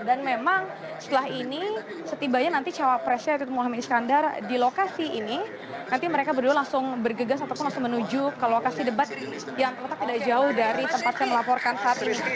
dan memang setelah ini setibanya nanti cawapresnya yaitu muhammadin iskandar di lokasi ini nanti mereka berdua langsung bergegas ataupun langsung menuju ke lokasi debat yang ternyata tidak jauh dari tempat saya melaporkan saat ini